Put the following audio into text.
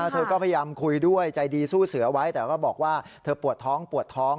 เธอก็พยายามคุยด้วยใจดีสู้เสือไว้แต่ก็บอกว่าเธอปวดท้องปวดท้อง